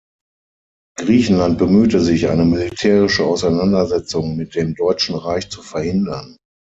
Griechenland bemühte sich, eine militärische Auseinandersetzung mit dem Deutschen Reich zu verhindern.